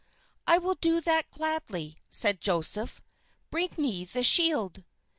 "'I will do that gladly,' said Joseph; 'bring me the shield.